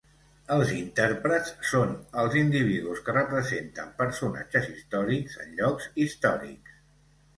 Els "intèrprets" són els individus que representen personatges històrics en llocs històrics.